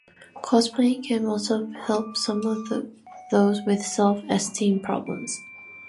Cosplaying can also help some of those with self-esteem problems.